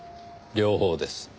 両方です。